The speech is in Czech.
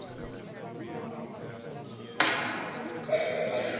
Hovoříme o energetické účinnosti.